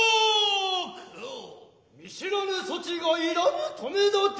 見知らぬそちがいらぬ止だて。